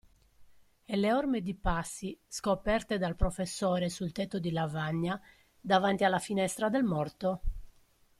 E le orme di passi scoperte dal professore sul tetto di lavagna, davanti alla finestra del morto?